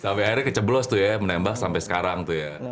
sampai akhirnya keceblos tuh ya menembak sampai sekarang tuh ya